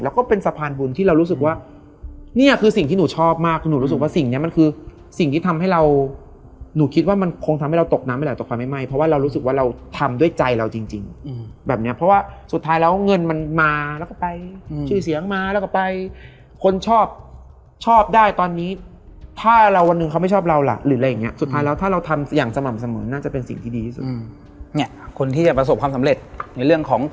แล้วก็ลำลำลำลำลำลำลำไปเรื่อยลำไปเรื่อย